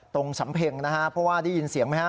ตรงสำเพงนะฮะเพราะว่านี่ยินเสียงมั้ยฮะ